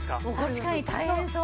確かに大変そう。